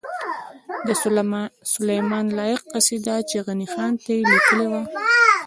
د سلیمان لایق قصیده چی غنی خان ته یی لیکلې وه